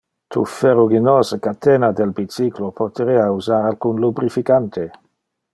Tu ferruginose catena del bicyclo poterea usar alcun lubrificante.